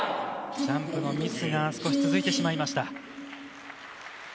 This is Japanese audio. ジャンプのミスが少し続いてしまいました。